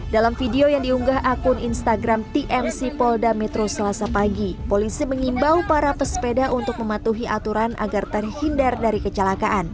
dalam video yang diunggah akun instagram tmc polda metro selasa pagi polisi mengimbau para pesepeda untuk mematuhi aturan agar terhindar dari kecelakaan